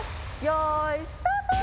よいスタート！